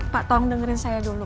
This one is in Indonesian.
pak tolong dengerin saya dulu